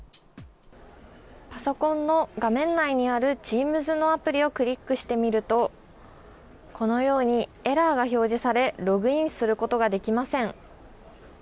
パソコンの画面内にあるＴｅａｍｓのアプリをクリックしてみると、このようにエラーが表示され、ログインすることができません。